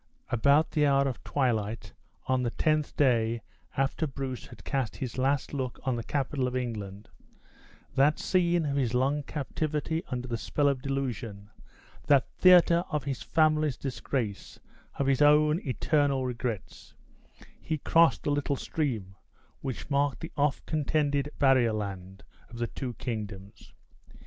About the hour of twilight on the tenth day after Bruce had cast his last look on the capital of England that scene of his long captivity under the spell of delusion, that theater of his family's disgrace, of his own eternal regrets he crossed the little stream which marked the oft contended barrier land of the two kingdoms.